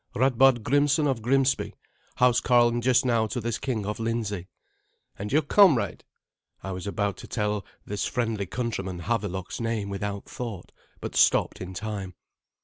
"Radbard Grimsson of Grimsby, housecarl just now to this King of Lindsey." "And your comrade?" I was about to tell this friendly countryman Havelok's name without thought, but stopped in time.